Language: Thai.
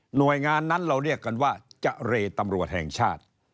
หน่วยงานนั้นเราเรียกกันว่าจะเรตำรวจแห่งชาติ